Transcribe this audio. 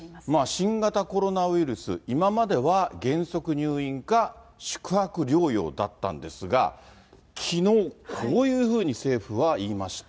新型コロナウイルス、今までは原則入院か、宿泊療養だったんですが、きのう、こういうふうに政府は言いました。